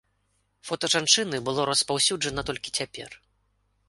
Фота жанчыны было распаўсюджана толькі цяпер.